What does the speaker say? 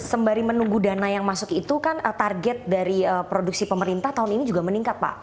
sembari menunggu dana yang masuk itu kan target dari produksi pemerintah tahun ini juga meningkat pak